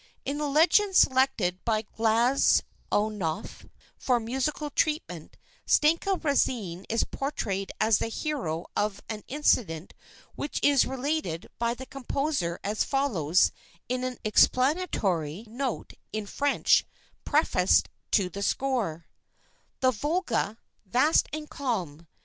In the legend selected by Glazounoff for musical treatment, Stenka Râzine is portrayed as the hero of an incident which is related by the composer as follows in an explanatory note (in French) prefaced to the score: "The Volga, vast and calm.